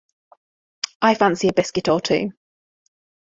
I fancy a biscuit or two.